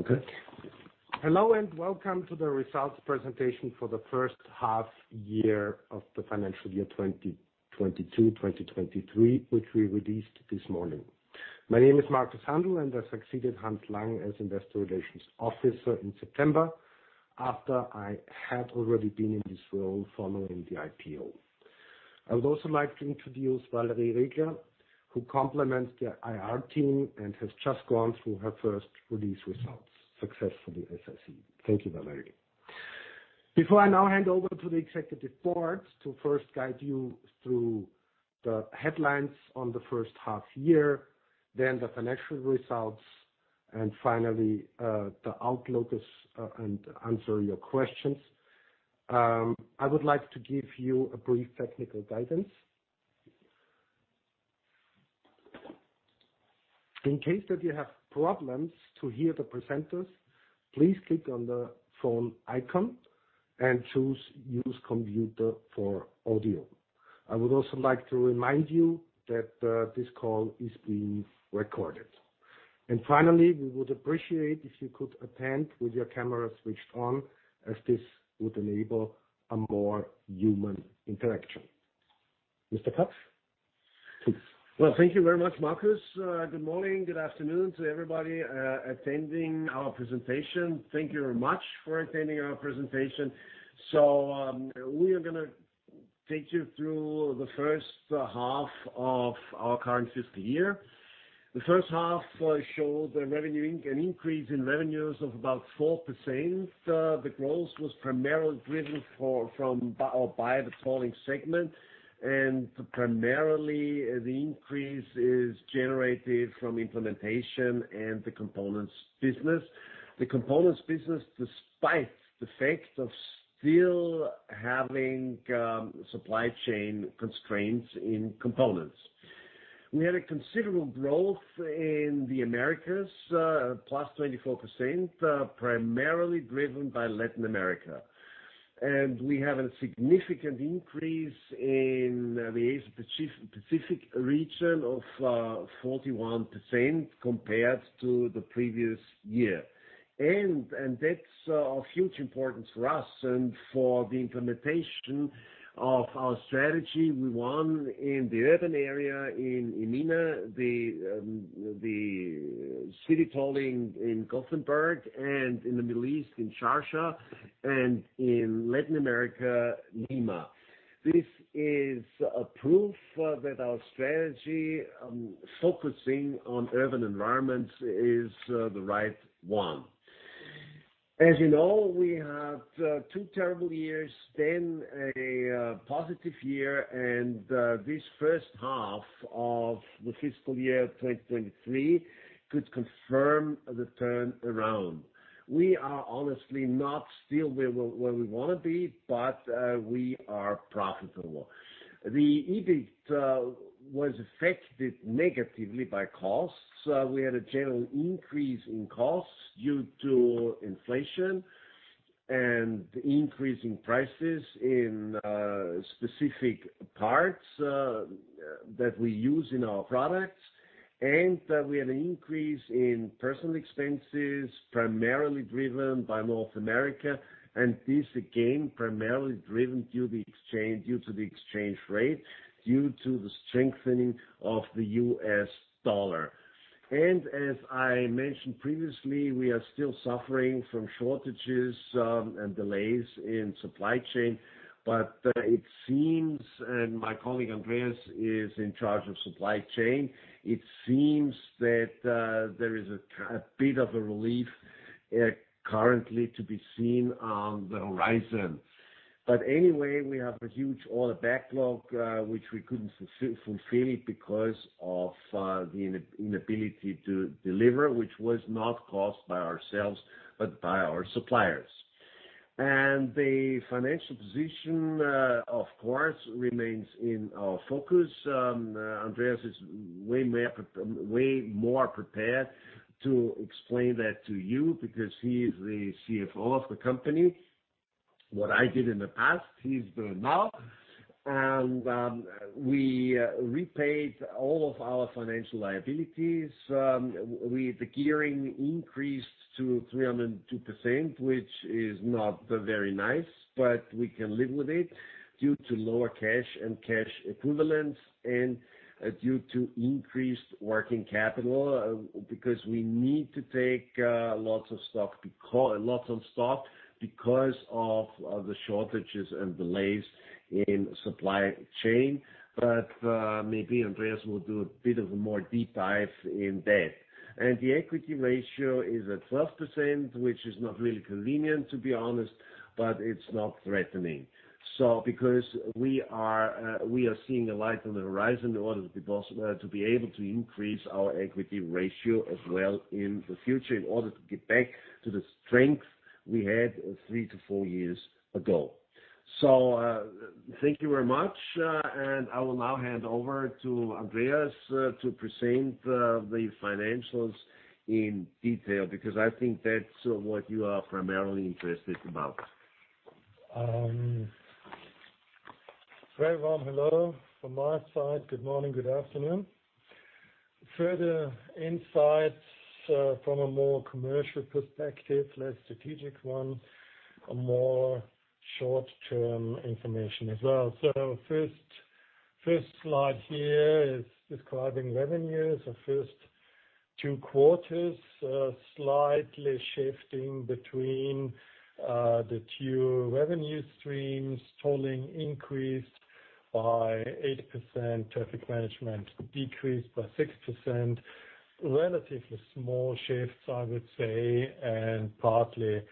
Okay. Hello, and welcome to the Results Presentation for the H1 Year of the Financial Year 2022/2023, which we released this morning. My name is Marcus Handl, and I succeeded Hans Lang as Investor Relations Officer in September, after I had already been in this role following the IPO. I would also like to introduce Valerie Riegler, who complements the IR team and has just gone through her first release results successfully, as I see. Thank you, Valerie. Before I now hand over to the Executive Board to first guide you through the headlines on the H1 year, then the financial results, and finally, the outlook and answer your questions. I would like to give you a brief technical guidance. In case that you have problems to hear the presenters, please click on the phone icon and choose Use computer for audio. I would also like to remind you that this call is being recorded. Finally, we would appreciate if you could attend with your camera switched on, as this would enable a more human interaction. Mr. Kapsch? Well, thank you very much, Marcus. Good morning, good afternoon to everybody attending our presentation. Thank you very much for attending our presentation. We are gonna take you through the H1 of our current Fiscal Year. The H1 showed an increase in revenues of about 4%. The growth was primarily driven by the following segment. Primarily, the increase is generated from implementation and the components business. The components business, despite the fact of still having supply chain constraints in components. We had a considerable growth in the Americas, plus 24%, primarily driven by Latin America. We have a significant increase in the Asia-Pacific region of 41% compared to the previous year. That's of huge importance for us and for the implementation of our strategy. We won in the urban area in MENA, the city tolling in Gothenburg, and in the Middle East in Sharjah, and in Latin America, Lima. This is a proof that our strategy focusing on urban environments is the right one. As you know, we had two terrible years, then a positive year and this H1 of the Fiscal Year 2023 could confirm the turn around. We are honestly not still where we wanna be, but we are profitable. The EBIT was affected negatively by costs. We had a general increase in costs due to inflation and increase in prices in specific parts that we use in our products. We had an increase in personnel expenses, primarily driven by North America, and this again, primarily driven due to the exchange rate, due to the strengthening of the US dollar. As I mentioned previously, we are still suffering from shortages and delays in supply chain, but it seems, and my colleague, Andreas, is in charge of supply chain, it seems that there is a bit of a relief currently to be seen on the horizon. Anyway, we have a huge order backlog, which we couldn't fulfill it because of the inability to deliver, which was not caused by ourselves, but by our suppliers. The financial position, of course, remains in our focus. Andreas is way more prepared to explain that to you because he is the CFO of the company. What I did in the past, he's doing now. We repaid all of our financial liabilities. The gearing increased to 302%, which is not very nice, but we can live with it due to lower cash and cash equivalents and due to increased working capital because we need to take lots of stock because of the shortages and delays in supply chain. Maybe Andreas will do a bit of a more deep dive in that. The equity ratio is at 12%, which is not really convenient, to be honest, but it's not threatening. Because we are seeing a light on the horizon in order to be able to increase our equity ratio as well in the future in order to get back to the strength we had three to four years ago. Thank you very much, and I will now hand over to Andreas to present the financials in detail, because I think that's what you are primarily interested about. Um, very well. Hello from my side. Good morning, good afternoon. Further insights from a more commercial perspective, less strategic one, a more short-term information as well. First slide here is describing revenues. The first two quarters slightly shifting between the two revenue streams. Tolling increased by 8%, traffic management decreased by 6%. Relatively small shifts, I would say, and partly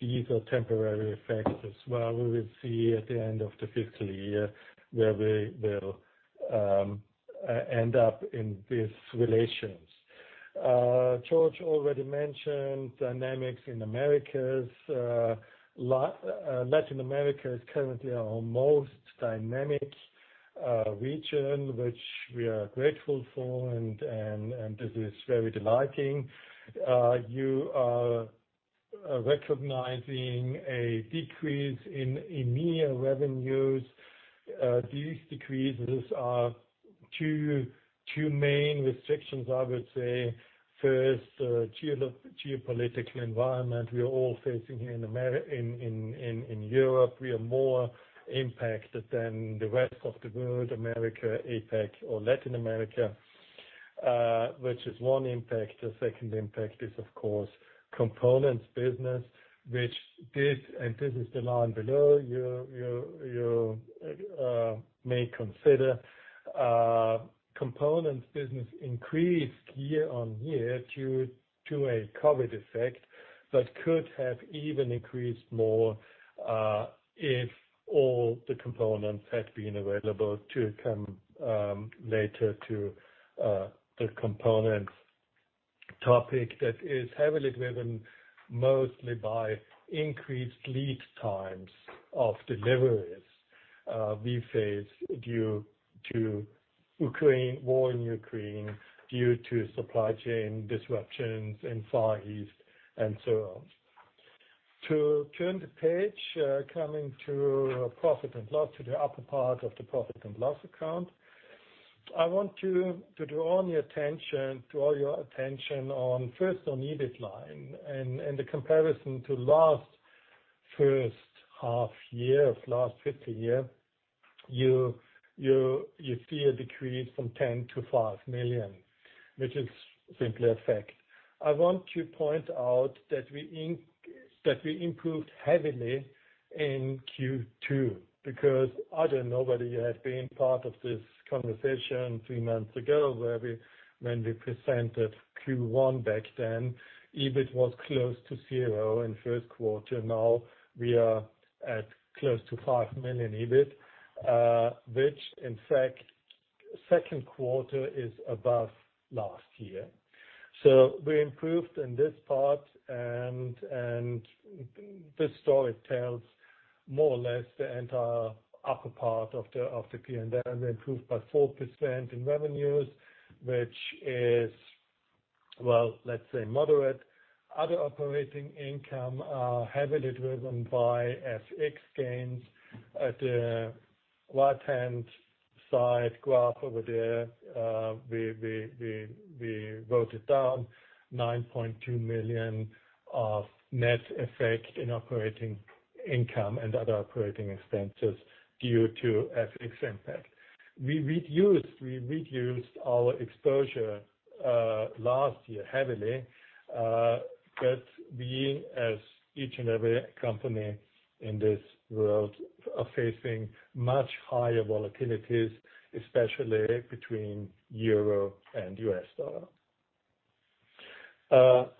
these are temporary effects as well. We will see at the end of the Fiscal Year where we will end up in these relations. Georg already mentioned dynamics in Americas. Latin America is currently our most dynamic region, which we are grateful for, and this is very delightful. You are recognizing a decrease in EMEA revenues. These decreases are two main restrictions, I would say. First, geopolitical environment we are all facing here in Europe. We are more impacted than the rest of the world, America, APAC or Latin America, which is one impact. The second impact is, of course, components business, which did, and this is the line below, you may consider, components business increased year-over-year due to a COVID effect, but could have even increased more, if all the components had been available to come, later to the components topic that is heavily driven mostly by increased lead times of deliveries, we face due to war in Ukraine, due to supply chain disruptions in Far East and so on. To turn the page, coming to profit and loss, to the upper part of the Profit and Loss account. I want you to draw your attention to the EBIT line and the comparison to the H1 year of last Fiscal Year. You see a decrease from 10 million to 5 million, which is simply a fact. I want to point out that we improved heavily in Q2 because otherwise nobody had been part of this conversation three months ago, when we presented Q1 back then. EBIT was close to zero in first quarter. Now we are at close to 5 million EBIT, which in fact Q2 is above last year. We improved in this part and this story tells more or less the entire upper part of the P&L. We improved by 4% in revenues, which is, well, let's say moderate. Other operating income are heavily driven by FX gains. At the right-hand side graph over there, we wrote it down 9.2 million of net effect in operating income and other operating expenses due to FX impact. We reduced our exposure last year heavily, but we as each and every company in this world are facing much higher volatilities, especially between euro and US dollar.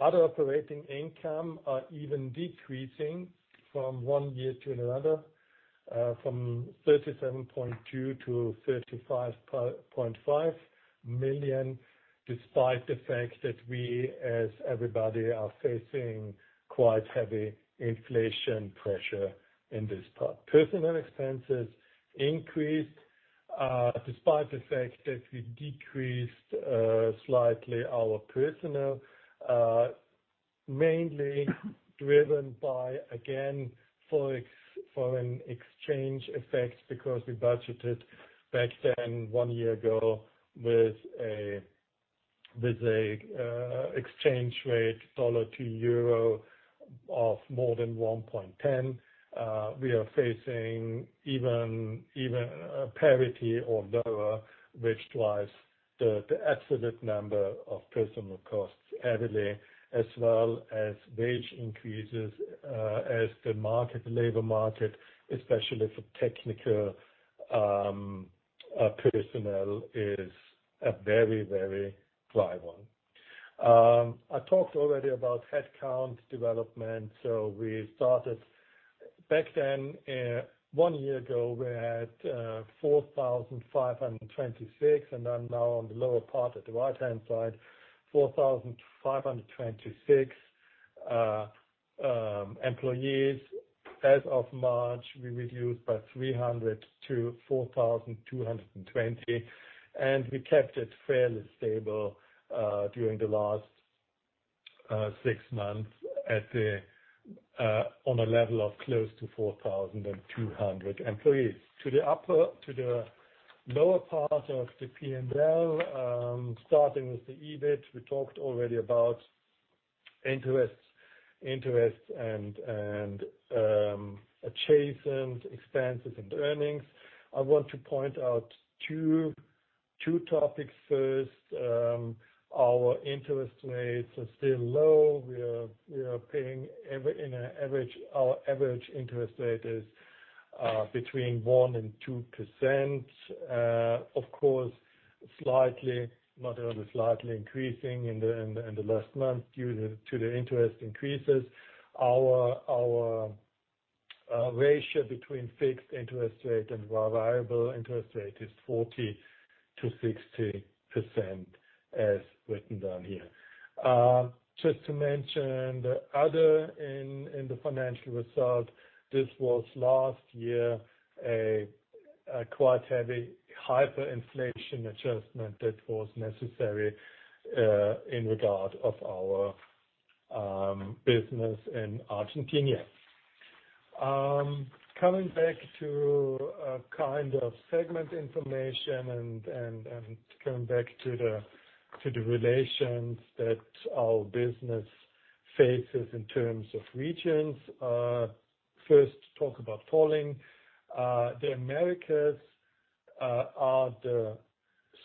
Other operating income are even decreasing from one year to another, from 37.2 million-35.5 million, despite the fact that we as everybody are facing quite heavy inflation pressure in this part. Personnel expenses increased despite the fact that we decreased slightly our personnel, mainly driven by again foreign exchange effects, because we budgeted back then one year ago with an exchange rate of USD to EUR of more than 1.10. We are facing even parity or lower, which drives the absolute number of personnel costs heavily, as well as wage increases, as the labor market, especially for technical personnel, is a very tight one. I talked already about headcount development. We started back then one year ago, we had 4,526, and I'm now on the lower part at the right-hand side, 4,526 employees. As of March, we reduced by 300 to 4,220, and we kept it fairly stable during the last six months at the on a level of close to 4,200 employees. To the lower part of the P&L, starting with the EBIT, we talked already about interest and adjacent expenses and earnings. I want to point out two topics first. Our interest rates are still low. Our average interest rate is between 1% and 2%. Of course, slightly, moderately, slightly increasing in the last month due to the interest increases. Our ratio between fixed interest rate and variable interest rate is 40%-60%, as written down here. Just to mention the other in the financial result, this was last year a quite heavy hyperinflation adjustment that was necessary in regard to our business in Argentina. Coming back to a kind of segment information and coming back to the relations that our business faces in terms of regions. First talk about tolling. The Americas are the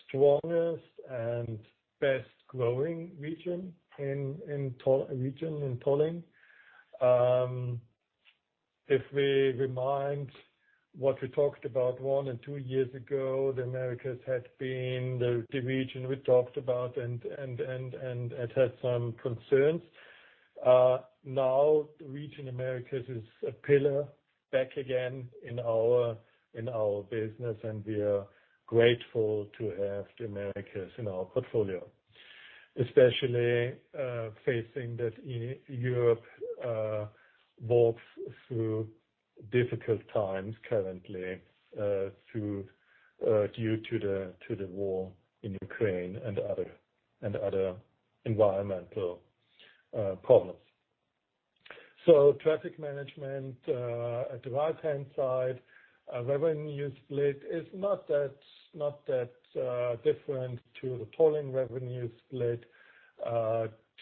strongest and best growing region in tolling. If we remember what we talked about one and two years ago, the Americas had been the region we talked about and it had some concerns. Now the region Americas is a pillar back again in our business, and we are grateful to have the Americas in our portfolio. Especially, facing that Europe walks through difficult times currently, due to the war in Ukraine and other environmental problems. Traffic management at the right-hand side, our revenue split is not that different to the tolling revenue split.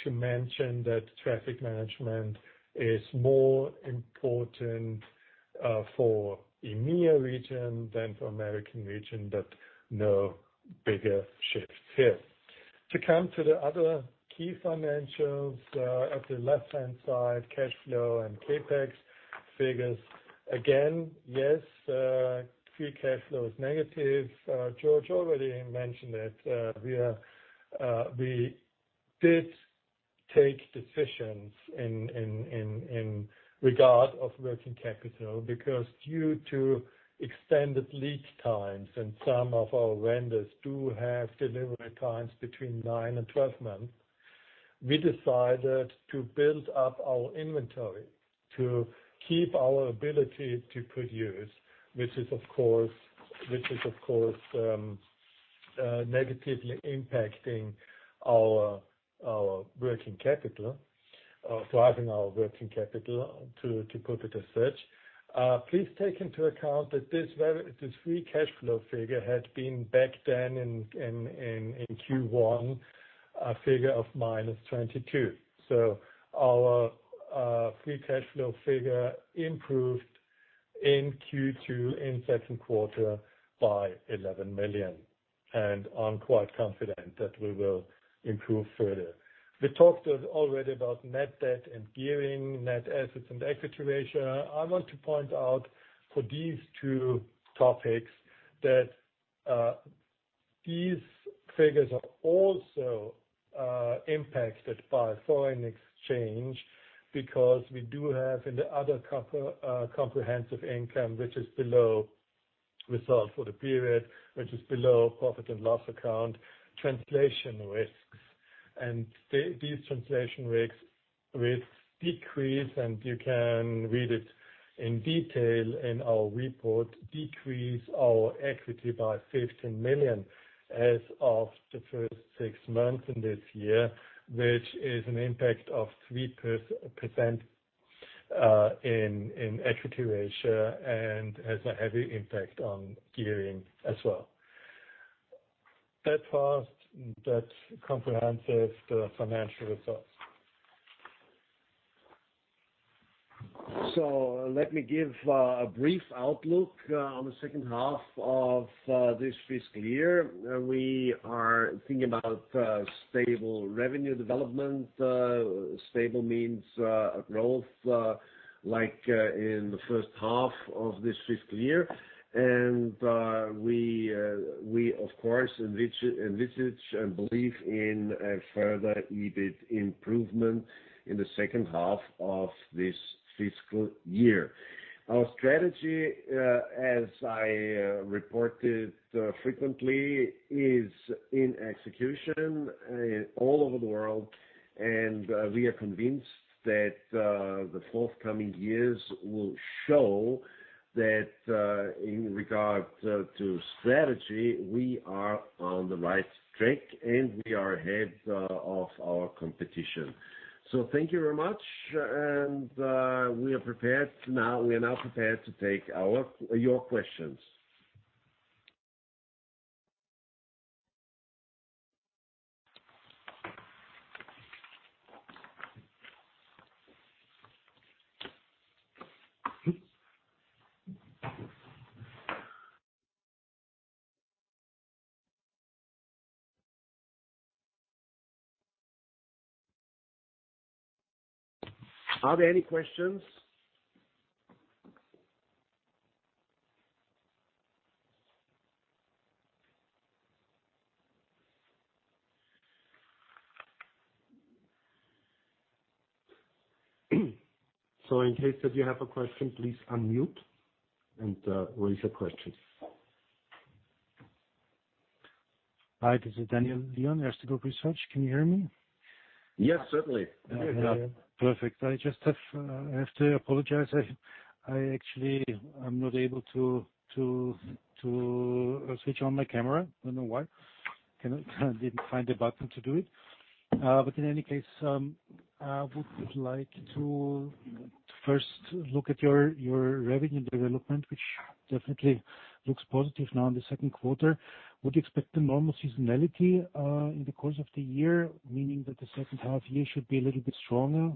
To mention that traffic management is more important for EMEA region than for American region, but no bigger shifts here. To come to the other key financials at the left-hand side, cash flow and CapEx figures. Again, yes, free cash flow is negative. Georg already mentioned that we did take decisions in regard of working capital, because due to extended lead times and some of our vendors do have delivery times between nine and 12 months. We decided to build up our inventory to keep our ability to produce, which is, of course, negatively impacting our working capital, driving our working capital to put it as such. Please take into account that this free cash flow figure had been back then in Q1 a figure of -22 million. Our free cash flow figure improved in Q2, in Q2 by 11 million. I'm quite confident that we will improve further. We talked already about net debt and gearing, net assets and equity ratio. I want to point out for these two topics that these figures are also impacted by foreign exchange because we do have in the other comprehensive income, which is below result for the period, which is below Profit and Loss account translation risks. These translation risks decrease, and you can read it in detail in our report, decrease our equity by 15 million as of the first six months in this year, which is an impact of 3% in equity ratio and has a heavy impact on gearing as well. That was the comprehensive financial results. Let me give a brief outlook on the H2 of this Fiscal Year. We are thinking about stable revenue development. Stable means growth like in the H1 of this Fiscal Year. We of course envisage and believe in a further EBIT improvement in the H2 of this Fiscal Year. Our strategy, as I reported frequently, is in execution all over the world. We are convinced that the forthcoming years will show that in regard to strategy, we are on right track. We are ahead of our competition. Thank you very much. We are now prepared to take your questions. Are there any questions? In case that you have a question, please unmute and raise a question. Hi, this is Daniel Lion, Erste Group Research. Can you hear me? Yes, certainly. Perfect. I have to apologize. I actually am not able to switch on my camera. I don't know why I cannot. I didn't find a button to do it. In any case, I would like to first look at your revenue development, which definitely looks positive now in the Q2. Would you expect a normal seasonality in the course of the year, meaning that the H2 year should be a little bit stronger,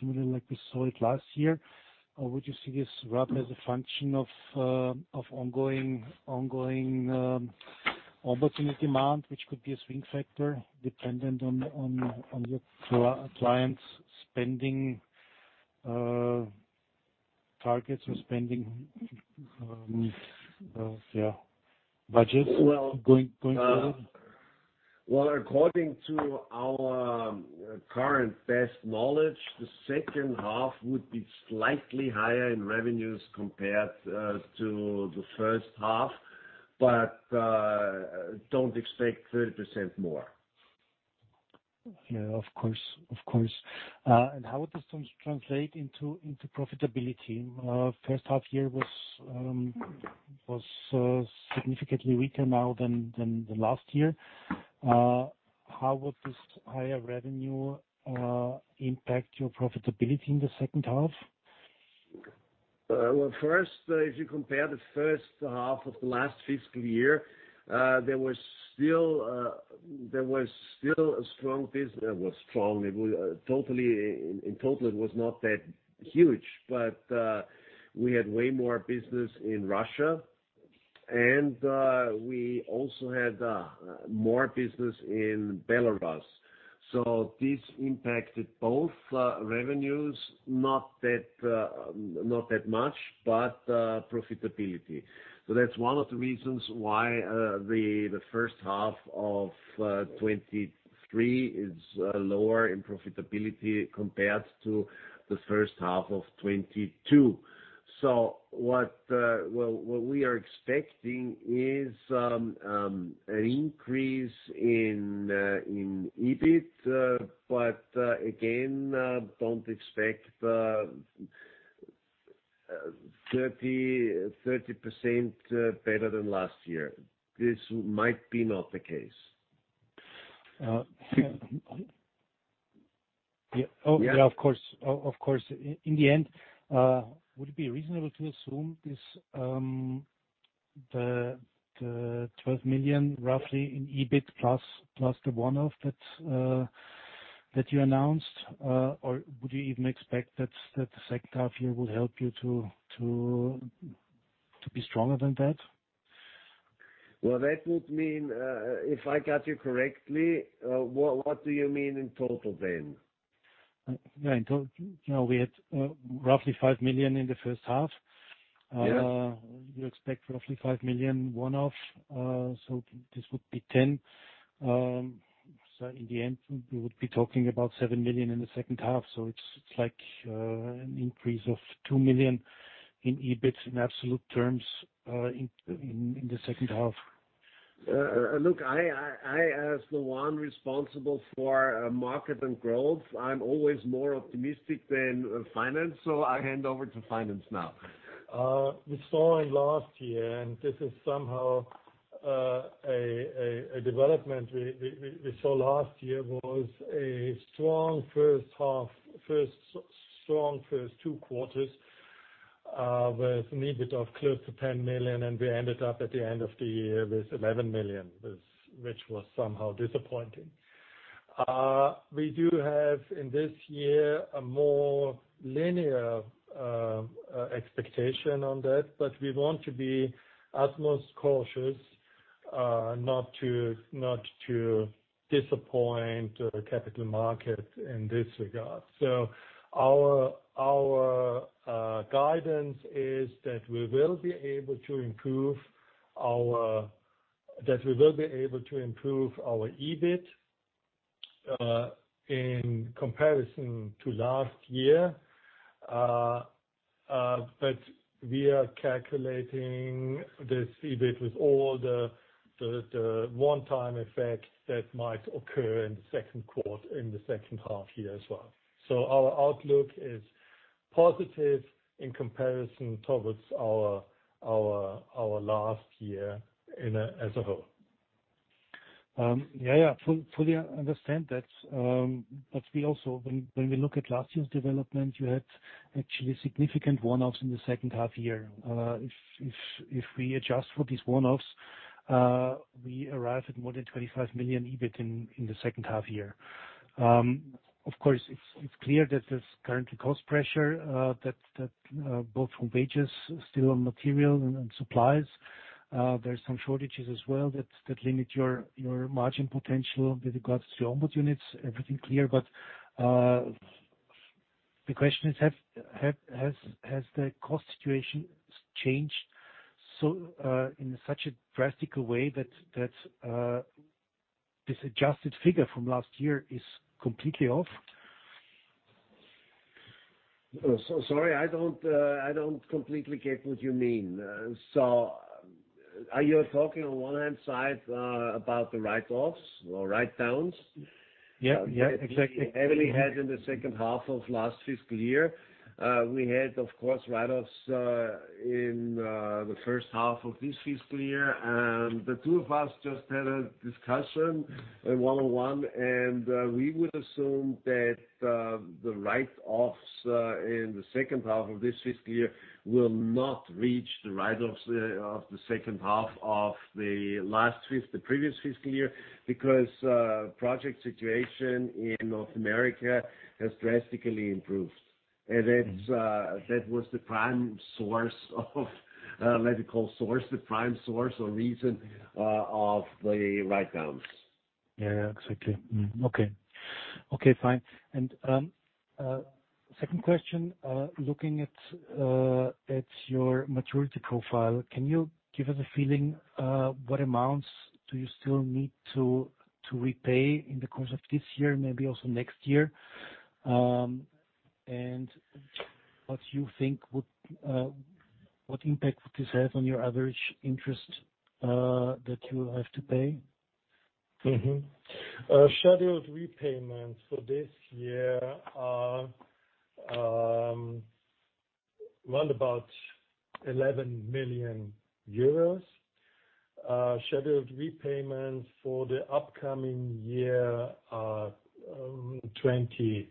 similarly like we saw it last year? Would you see this rather as a function of ongoing opportunity demand, which could be a swing factor dependent on your clients' spending targets or spending budgets? Well... Going forward. Well, according to our current best knowledge, the H2 would be slightly higher in revenues compared to the H1, but don't expect 30% more. Yeah, of course. How would this translate into profitability? H1 year was significantly weaker than the last year. How would this higher revenue impact your profitability in the H2? Well, first, if you compare the H1 of the last Fiscal Year, there was still a strong business. It was strong. In total, it was not that huge, but we had way more business in Russia and we also had more business in Belarus. This impacted both revenues, not that much, but profitability. That's one of the reasons why the H1 of 2023 is lower in profitability compared to the H1 of 2022. What we are expecting is an increase in EBIT, but again, don't expect 30% better than last year. This might be not the case. Yeah. Oh, yeah, of course. Of course. In the end, would it be reasonable to assume this, the 12 million roughly in EBIT plus the one-off that you announced? Or would you even expect that the H2 year will help you to be stronger than that? Well, that would mean, if I got you correctly, what do you mean in total then? Yeah, in total. You know, we had roughly 5 million in the H1. Yeah. You expect roughly 5 million one-off. This would be 10 million. In the end, we would be talking about 7 million in the H2. It's like an increase of 2 million in EBIT in absolute terms in the H2. Look, I as the one responsible for market and growth, I'm always more optimistic than finance, so I hand over to finance now. We saw in last year, and this is somehow a development we saw last year was a strong first two quarters, with an EBIT of close to 10 million, and we ended up at the end of the year with 11 million, which was somehow disappointing. We do have in this year a more linear expectation on that, but we want to be utmost cautious, not to disappoint the capital market in this regard. Our guidance is that we will be able to improve our EBIT in comparison to last year. But we are calculating this EBIT with all the one-time effects that might occur in the Q2, in the H2 year as well. Our outlook is positive in comparison towards our last year as a whole. Fully understand that. We also, when we look at last year's development, you had actually significant one-offs in the H2 year. If we adjust for these one-offs, we arrive at more than 25 million EBIT in the H2 year. Of course, it's clear that there's currently cost pressure that both from wages, still on material and supplies. There are some shortages as well that limit your margin potential with regards to On-Board Units. Everything clear, but the question is, has the cost situation changed so, in such a drastic way that this adjusted figure from last year is completely off? Sorry, I don't completely get what you mean. Are you talking on the one hand about the write-offs or write-downs? Yeah. Yeah, exactly. Heavily had in the H2 of last Fiscal Year. We had, of course, write-offs in the H1 of this Fiscal Year, and the two of us just had a discussion in one-on-one, and we would assume that the write-offs in the H2 of this Fiscal Year will not reach the write-offs of the H2 of the previous Fiscal Year because the project situation in North America has drastically improved. That was the prime source or reason of the write-downs. Yeah, exactly. Okay, fine. Second question, looking at your maturity profile, can you give us a feeling what amounts do you still need to repay in the course of this year, maybe also next year? What impact would this have on your average interest that you will have to pay? Scheduled repayments for this year are round about EUR 11 million. Scheduled repayments for the upcoming year are EUR 27 million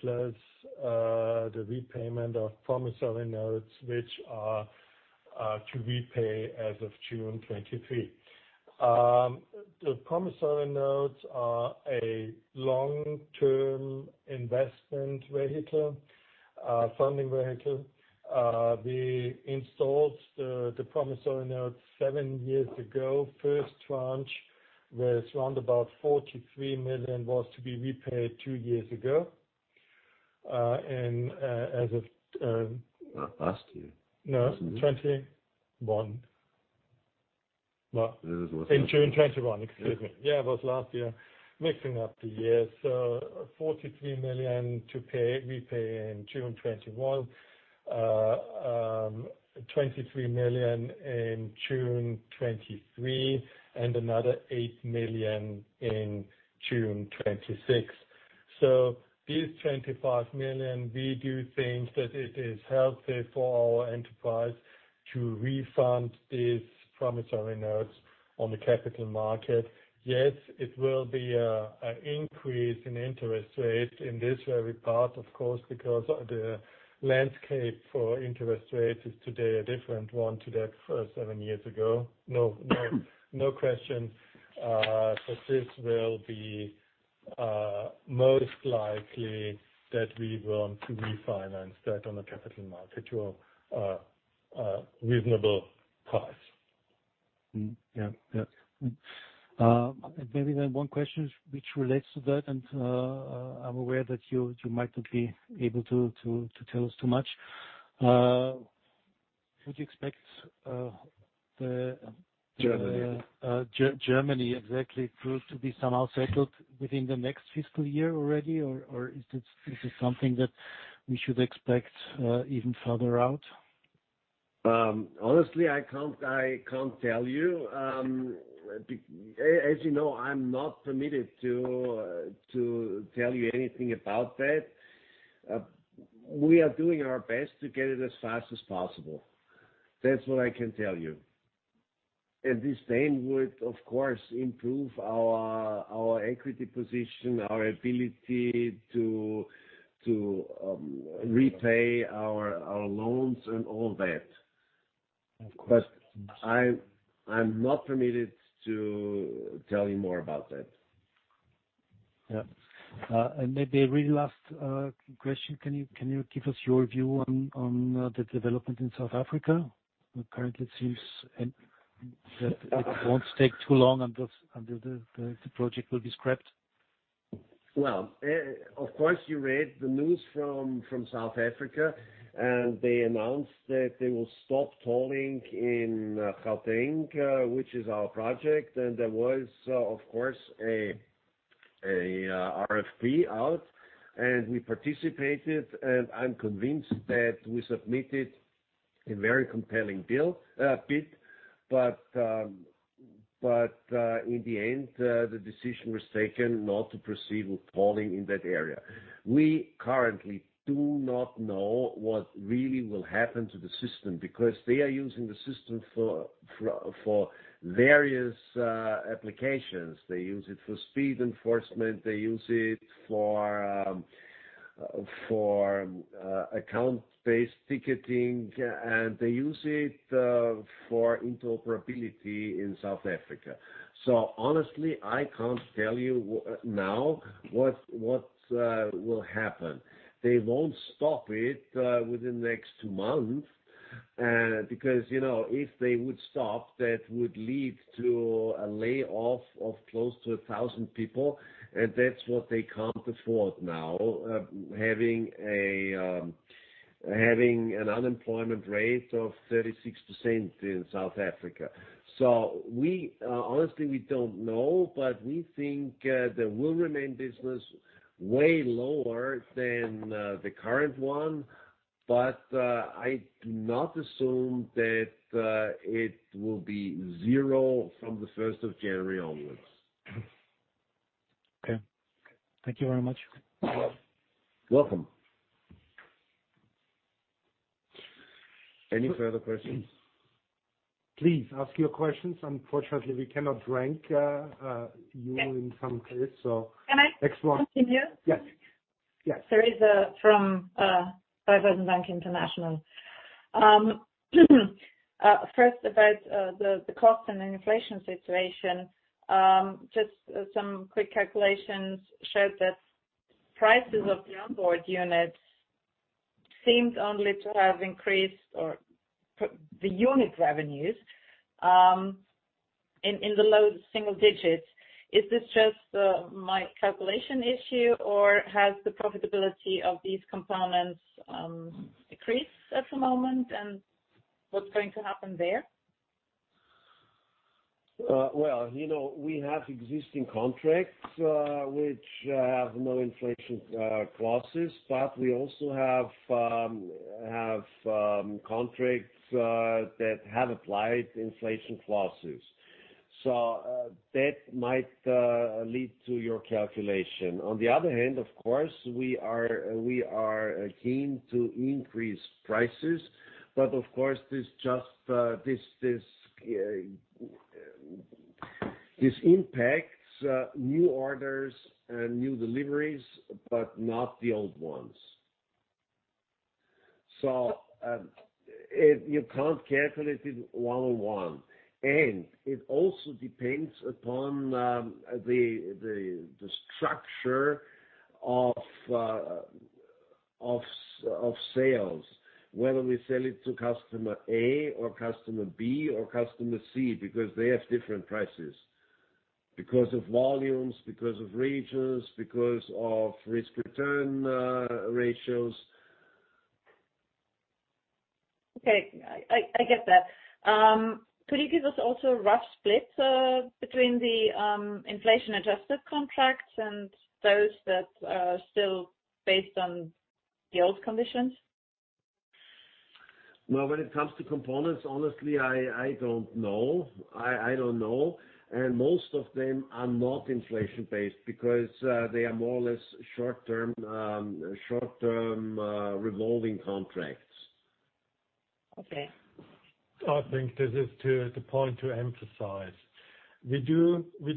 plus the repayment of promissory notes, which are to repay as of June 2023. The promissory notes are a long-term investment vehicle, funding vehicle. We installed the promissory note seven years ago. First tranche was around about 43 million, was to be repaid two years ago. Last year. No, '21. It was last year. In June 2021. Excuse me. Yeah, it was last year. Mixing up the years. 43 million to repay in June 2021. 23 million in June 2023 and another 8 million in June 2026. These 25 million, we do think that it is healthy for our enterprise to refund these promissory notes on the capital market. Yes, it will be an increase in interest rate in this very part, of course, because the landscape for interest rates is today a different one to that seven years ago. No question. This will be most likely that we want to refinance that on the capital market to a reasonable price. Maybe one question which relates to that, and I'm aware that you might not be able to tell us too much. Would you expect the...? Germany. Germany exactly proved to be somehow settled within the next Fiscal Year already? Is this something that we should expect even further out? Honestly, I can't tell you. As you know, I'm not permitted to tell you anything about that. We are doing our best to get it as fast as possible. That's what I can tell you. The same would, of course, improve our equity position, our ability to repay our loans and all that. Of course. I'm not permitted to tell you more about that. Yeah. Maybe a really last question. Can you give us your view on the development in South Africa? It currently seems that it won't take too long until the project will be scrapped. Well, of course, you read the news from South Africa, and they announced that they will stop tolling in Gauteng, which is our project. There was, of course, a RFP out, and we participated, and I'm convinced that we submitted a very compelling bid. In the end, the decision was taken not to proceed with tolling in that area. We currently do not know what really will happen to the system, because they are using the system for various applications. They use it for speed enforcement, they use it for account-based ticketing, and they use it for interoperability in South Africa. Honestly, I can't tell you now what will happen. They won't stop it within the next two months, because, you know, if they would stop, that would lead to a layoff of close to a 1,000 people, and that's what they can't afford now, having an unemployment rate of 36% in South Africa. We honestly don't know, but we think there will remain business way lower than the current one. I do not assume that it will be zero from the 1st of January onwards. Okay. Thank you very much. You're welcome. Any further questions? Please ask your questions. Unfortunately, we cannot rank... Can...? You in some case. Can I...? Next one. Continue? Yes. Yes. Teresa from Raiffeisen Bank International. First about the cost and inflation situation. Just some quick calculations showed that prices of the On-Board Units seems only to have increased or the unit revenues in the low single digits. Is this just my calculation issue or has the profitability of these components decreased at the moment? What's going to happen there? Well, you know, we have existing contracts which have no inflation clauses, but we also have contracts that have applied inflation clauses. That might lead to your calculation. On the other hand, of course, we are keen to increase prices. Of course, this just impacts new orders and new deliveries, but not the old ones. You can't calculate it one-on-one. It also depends upon the structure of sales, whether we sell it to customer A or customer B or customer C, because they have different prices. Because of volumes, because of regions, because of risk return ratios. Okay. I get that. Could you give us also a rough split between the inflation-adjusted contracts and those that are still based on the old conditions? Well, when it comes to components, honestly, I don't know. I don't know. Most of them are not inflation-based because they are more or less short-term revolving contracts. Okay. I think this is the point to emphasize. We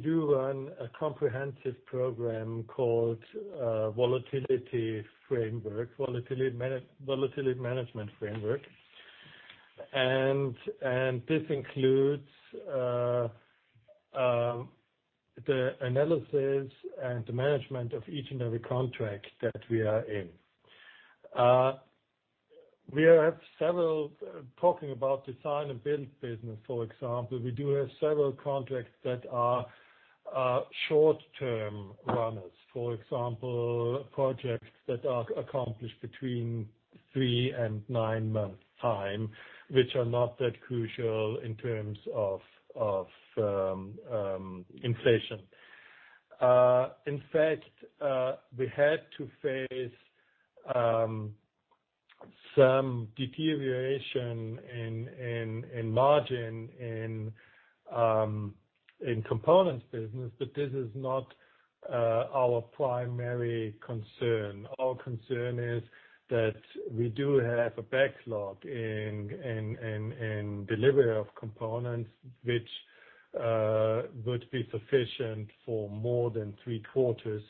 run a comprehensive program called Volatility Management Framework. This includes the analysis and the management of each and every contract that we are in. Talking about design and build business, for example, we have several contracts that are short-term runners. For example, projects that are accomplished between three and nine-month time, which are not that crucial in terms of inflation. In fact, we had to face some deterioration in margin in components business, but this is not our primary concern. Our concern is that we do have a backlog in delivery of components which would be sufficient for more than three quarters.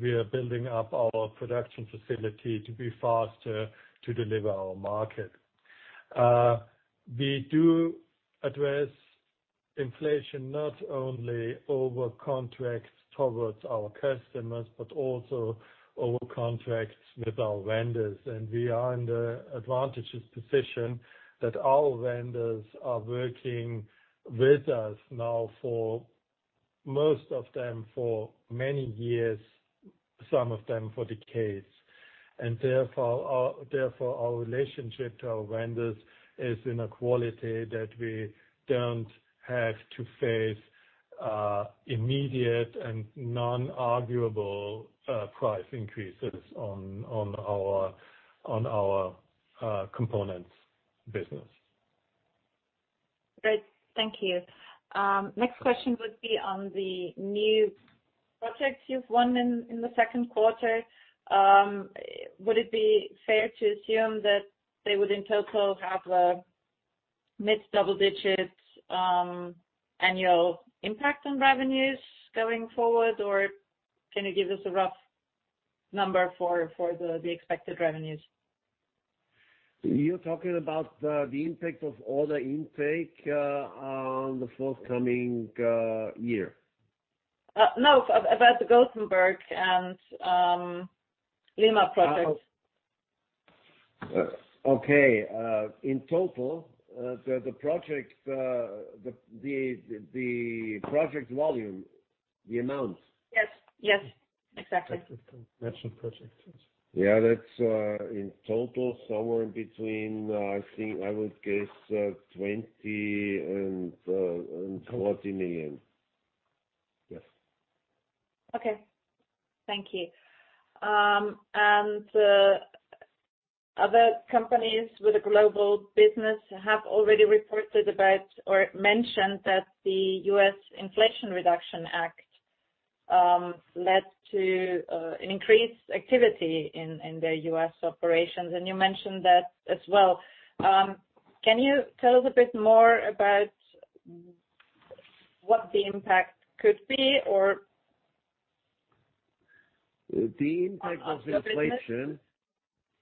We are building up our production facility to be faster to deliver our market. We do address inflation not only over contracts towards our customers, but also over contracts with our vendors. We are in the advantageous position that our vendors are working with us now for most of them, for many years, some of them for decades. Therefore our relationship to our vendors is in a quality that we don't have to face. Immediate and non-arguable price increases on our components business. Great. Thank you. Next question would be on the new projects you've won in the Q2. Would it be fair to assume that they would in total have a mid-double digits annual impact on revenues going forward? Or can you give us a rough number for the expected revenues? You're talking about the impact of all the intake on the forthcoming year? No, about the Gothenburg and Lima projects. Okay. In total, the project volume, the amount? Yes. Yes. Exactly. National projects, yes. Yeah, that's in total somewhere in between, I think I would guess, 20 million and 30 million. Yes. Okay. Thank you. Other companies with a global business have already reported about or mentioned that the U.S. Inflation Reduction Act led to an increased activity in the U.S. operations, and you mentioned that as well. Can you tell us a bit more about what the impact could be or...? The impact of inflation.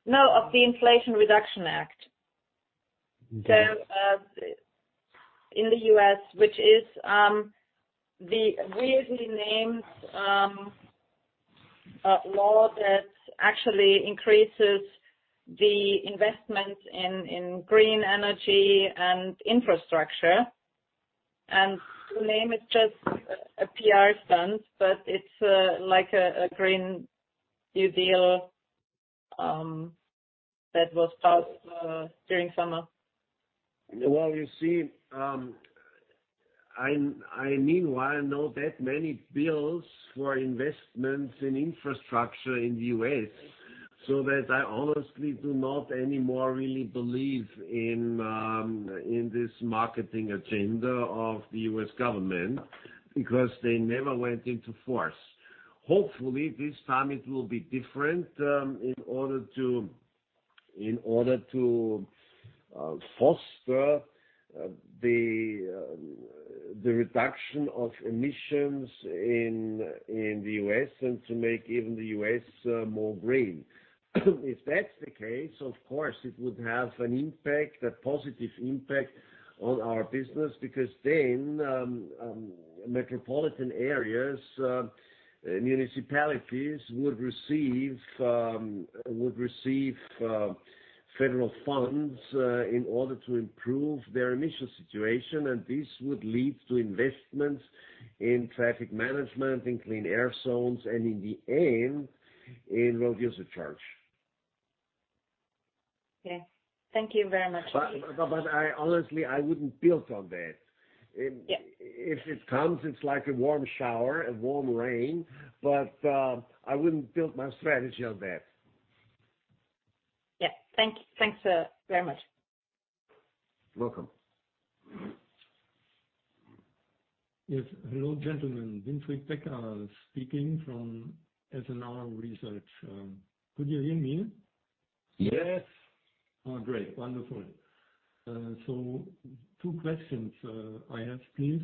No, of the Inflation Reduction Act. Mm-hmm. In the US, which is the weirdly named law that actually increases the investment in green energy and infrastructure. The name is just a PR stunt, but it's like a green new deal that was passed during summer. Well, you see, meanwhile I know that many bills for investments in infrastructure in the U.S., so that I honestly do not anymore really believe in this marketing agenda of the U.S. Government because they never went into force. Hopefully, this time it will be different in order to foster the reduction of emissions in the U.S. and to make even the U.S. more green. If that's the case, of course, it would have an impact, a positive impact on our business because then metropolitan areas, municipalities would receive federal funds in order to improve their emission situation. This would lead to investments in traffic management, in clean air zones, and in the end, in road user charge. Okay. Thank you very much. I honestly, I wouldn't build on that. Yeah. If it comes, it's like a warm shower, a warm rain. I wouldn't build my strategy on that. Yeah. Thanks, very much. Welcome. Yes. Hello, gentlemen. Winfried Becker speaking from FMR Research. Could you hear me? Yes. Great. Wonderful. Two questions I ask, please.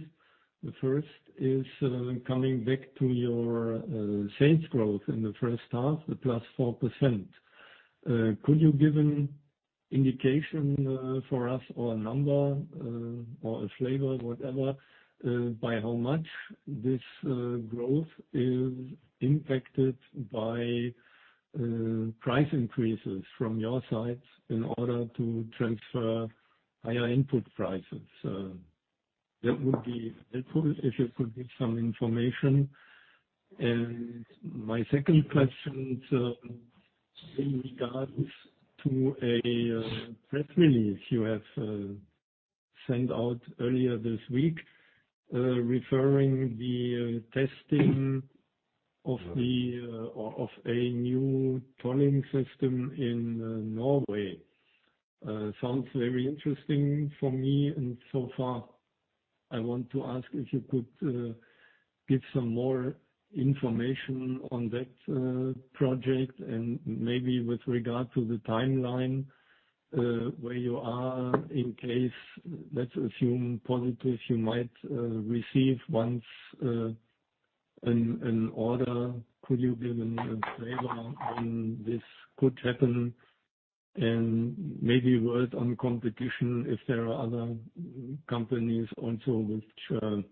The first is, coming back to your sales growth in the H1, the 4%. Could you give an indication for us or a number or a flavor, whatever, by how much this growth is impacted by price increases from your side in order to transfer higher input prices? That would be helpful if you could give some information. My second question is, in regards to a press release you have sent out earlier this week, referring to the testing of a new tolling system in Norway. Sounds very interesting for me and so far. I want to ask if you could give some more information on that project and maybe with regard to the timeline, where you are in case, let's assume positive, you might receive once an order. Could you give a flavor on this could happen and maybe word on competition if there are other companies also which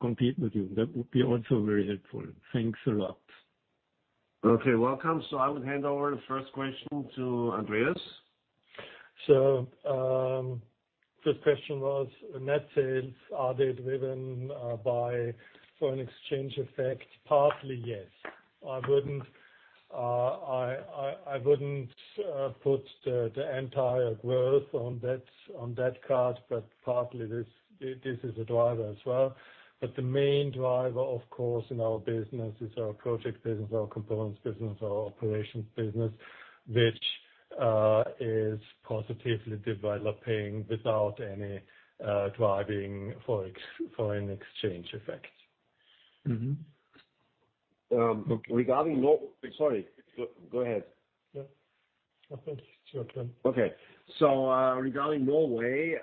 compete with you? That would be also very helpful. Thanks a lot. Okay, welcome. I would hand over the first question to Andreas. First question was net sales, are they driven by foreign exchange effect? Partly, yes. I wouldn't... I wouldn't put the entire growth on that cost, but partly this is a driver as well. The main driver, of course, in our business is our project business, our components business, our operations business, which is positively developing without any Foreign Exchange effect. Regarding Nor... Sorry. Go ahead. No. It's your turn. Okay. Regarding Norway,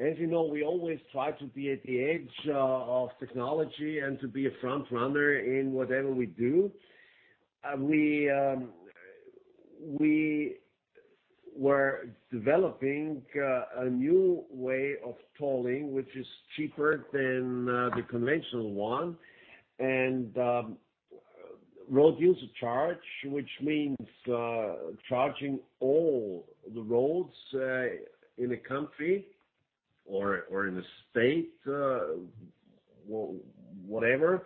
as you know, we always try to be at the edge of technology and to be a front runner in whatever we do. We were developing a new way of tolling, which is cheaper than the conventional one. Road user charge, which means charging all the roads in a country or in a state, whatever,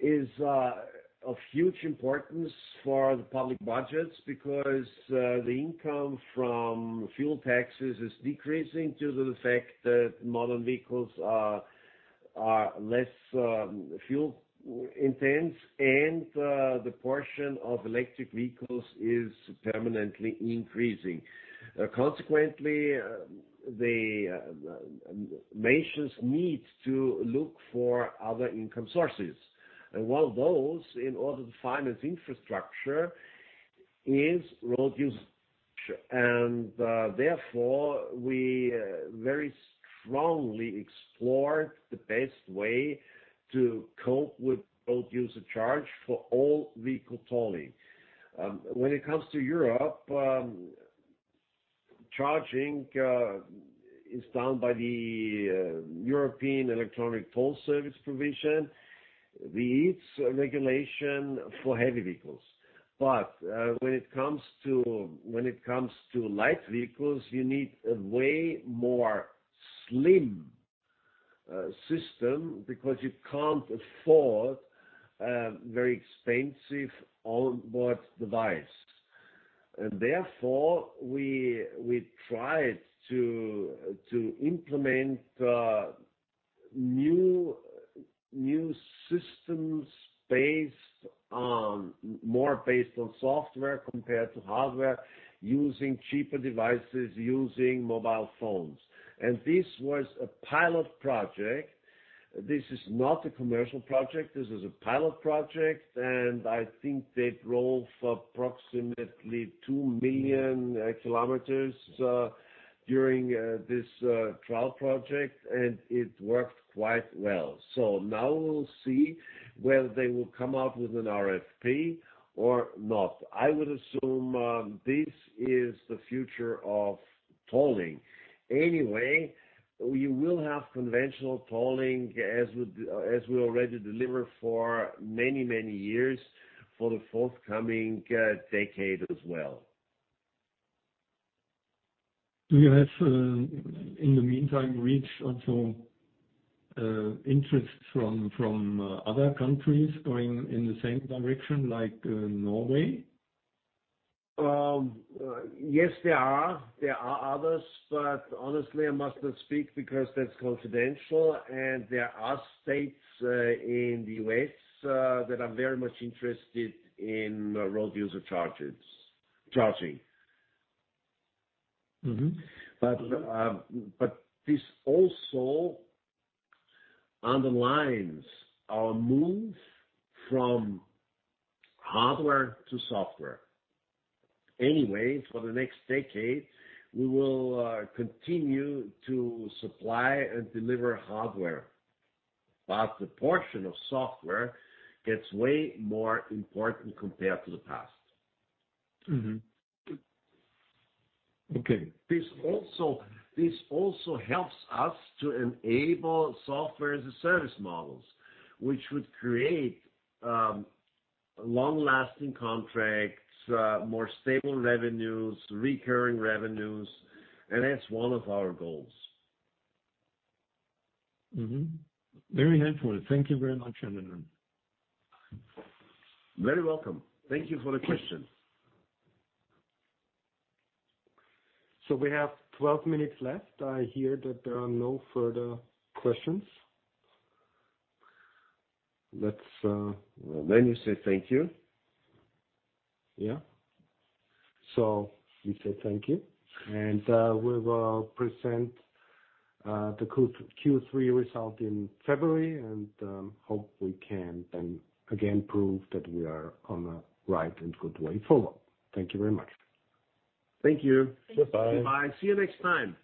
is of huge importance for the public budgets because the income from fuel taxes is decreasing due to the fact that modern vehicles are less fuel intense, and the portion of electric vehicles is permanently increasing. Consequently, the nations need to look for other income sources. One of those, in order to finance infrastructure, is road use. Therefore, we very strongly explored the best way to cope with road user charge for all vehicle tolling. When it comes to Europe, charging is done by the European Electronic Toll Service provision, the EETS regulation for heavy vehicles. When it comes to light vehicles, you need a way more slim system because you can't afford very expensive On-Board device. Therefore, we tried to implement new systems more based on software compared to hardware, using cheaper devices, using mobile phones. This was a pilot project. This is not a commercial project. This is a pilot project, and I think they drove approximately 2 million kilometers during this trial project, and it worked quite well. Now we'll see whether they will come out with an RFP or not. I would assume this is the future of tolling. Anyway, we will have conventional tolling as we already deliver for many, many years for the forthcoming decade as well. Do you have, in the meantime, reached also, interests from other countries going in the same direction like Norway? Yes, there are. There are others, but honestly, I must not speak because that's confidential. There are states in the U.S. that are very much interested in road user charges. Mm-hmm. This also underlines our move from hardware to software. Anyway, for the next decade, we will continue to supply and deliver hardware, but the portion of software gets way more important compared to the past. Mm-hmm. Okay. This also helps us to enable software-as-a-service models, which would create long-lasting contracts, more stable revenues, recurring revenues, and that's one of our goals. Mm-hmm. Very helpful. Thank you very much, gentlemen. Very welcome. Thank you for the question. We have 12 minutes left. I hear that there are no further questions. Let's then say thank you. Yeah. We say thank you. We will present the Q3 Result in February and hope we can then again prove that we are on a right and good way forward. Thank you very much. Thank you. Bye-bye. Bye-bye. See you next time.